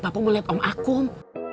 papa mau lihat om akum